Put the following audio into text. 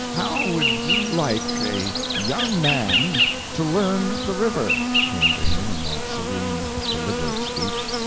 "How would you like a young man to learn the river?" came to him in that serene, deliberate speech.